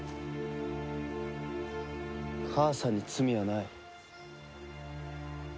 母さんに罪はない。